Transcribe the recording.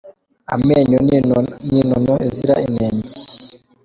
Amenyo ni inono izira inenge